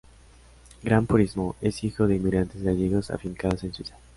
Gran Purismo es hijo de emigrantes gallegos afincados en Suiza.